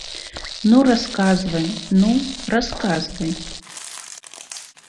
Ну, расказвай, ну, расказвай.